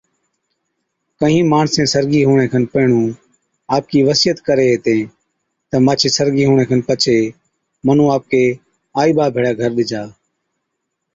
ڪھِين ماڻسين سرگِي ھُوَڻي کن پيھڻُون آپڪِي وصِيعت ڪرين ھتين تہ مانڇي سرگِي ھُوَڻِ کن پڇي مُنُون آپڪي آئِي ٻا ڀيڙي گھر ڏِجا